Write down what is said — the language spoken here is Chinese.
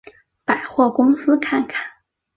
百货公司看看